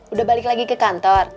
udah balik lagi ke kantor